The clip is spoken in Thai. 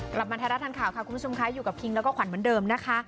กลับมาไทยรัฐทันข่าวค่ะคุณผู้ชมคะอยู่กับคิงแล้วก็ขวัญเหมือนเดิมนะคะ